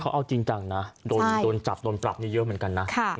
เขาเอาจริงจังนะโดนจับโดนปรับนี่เยอะเหมือนกันนะ